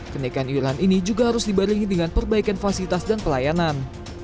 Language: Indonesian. kenaikan iuran ini juga harus dibarengi dengan perbaikan fasilitas dan pelayanan